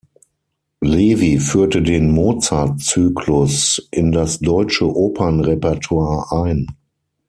Levi führte den „Mozart-Zyklus“ in das deutsche Opernrepertoire ein.